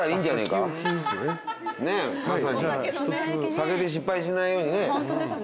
酒で失敗しないようにね。